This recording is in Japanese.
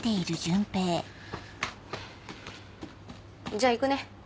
じゃあ行くね。